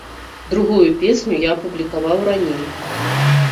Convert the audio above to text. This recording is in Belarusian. Другую песню я апублікаваў раней.